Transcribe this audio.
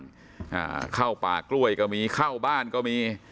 อ่าเข้าป่ากล้วยก็มีเข้าบ้านก็มี